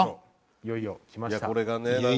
いよいよきましたね。